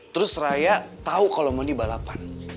terus raya tahu kalau mau di balapan